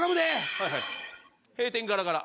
はいはい閉店ガラガラ。